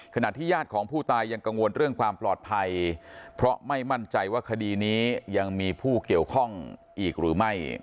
ญาติของผู้ตายยังกังวลเรื่องความปลอดภัยเพราะไม่มั่นใจว่าคดีนี้ยังมีผู้เกี่ยวข้องอีกหรือไม่